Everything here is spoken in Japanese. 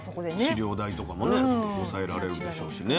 飼料代とかもね抑えられるんでしょうしね。